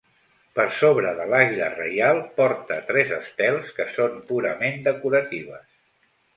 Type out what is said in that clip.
Per sobre de l'àguila reial, porta tres estels que són purament decoratives.